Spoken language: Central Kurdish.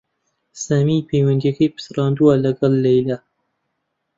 سامی پەیوەندییەکەی پچڕاندووە لەگەڵ لەیلا